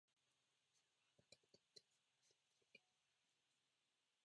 それは、あなたにとって素晴らしい経験になるはずです。